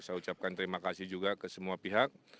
saya ucapkan terima kasih juga ke semua pihak